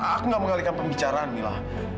aku gak mengalihkan pembicaraan mila